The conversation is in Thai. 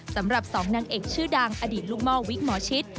สำหรับ๒นางเอกชื่อดังอดีตลูกหม้อวิกหมอชิต